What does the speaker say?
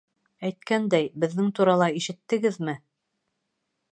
Әйткәндәй, беҙҙең турала ишеттегеҙме?